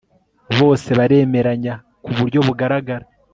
bose baremeranya ku buryo bugaragara